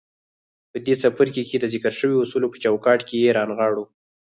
په دې څپرکي کې د ذکر شويو اصولو په چوکاټ کې يې رانغاړو.